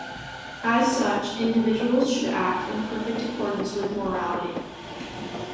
As such, individuals should act in perfect accordance with morality.